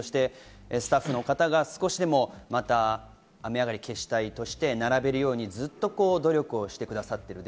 スタッフの方が少しでも雨上がり決死隊として並べるように努力をしてくださっている。